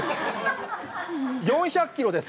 ４００キロです。